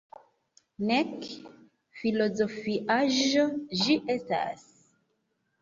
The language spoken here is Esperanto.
Nek filozofiaĵo ĝi estas.